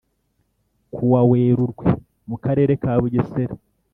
Ku wa Werurwe mu Karere ka Bugesera